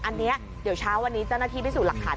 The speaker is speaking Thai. อันนี้เดี๋ยวเช้าวันนี้เจ้าหน้าที่พิสูจน์หลักฐาน